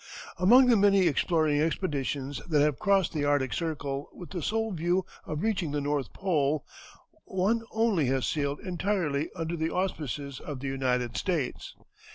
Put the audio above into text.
Among the many exploring expeditions that have crossed the Arctic Circle with the sole view of reaching the North Pole, one only has sailed entirely under the auspices of the United States.